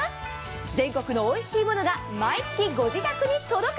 全国のおいしいものが毎月御自宅に届く。